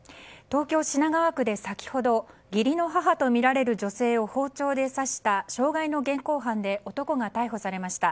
東京・品川区で先ほど義理の母とみられる女性を包丁で刺した傷害の現行犯で男が逮捕されました。